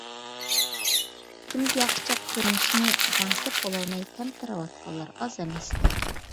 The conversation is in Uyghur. كىمگە ياخشىچاق كۆرۈنۈشنى دەڭسەپ بولالماي تەمتىرەۋاتقانلار ئاز ئەمەستەك.